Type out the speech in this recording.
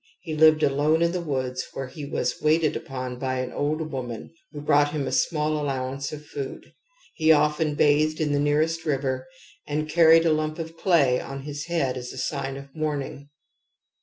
He lived alone in the woods, where he was waited upon by an old woman who brought him a small allowance of food ; he often bathed in the nearest river, and carried a lump of clay on his head as a sign of mourning.